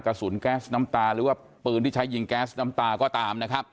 กระสุนแก๊สน้ำตาหรือว่าปืนที่ใช้ยิงแก๊สน้ำตาก็ตามนะครับ